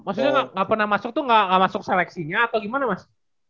maksudnya nggak pernah masuk tuh nggak masuk seleksinya atau gimana mas